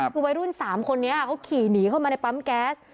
คือวัยรุ่น๓คนนี้เขาขี่หนีเข้ามาในปั๊มแก๊ส